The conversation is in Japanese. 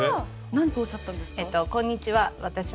なんとおっしゃったんですか？